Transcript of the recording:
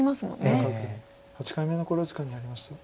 村川九段８回目の考慮時間に入りました。